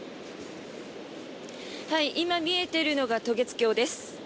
今、見えているのが渡月橋です。